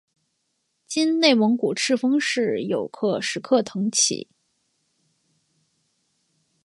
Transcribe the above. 今内蒙古赤峰市有克什克腾旗。